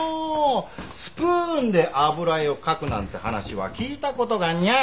スプーンで油絵を描くなんて話は聞いた事がにゃい！